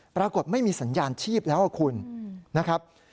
ปรากฏไม่มีสัญญาณชีพแล้วคุณนะครับ